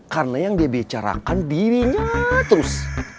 karena yang dia bicarakan dirinya terus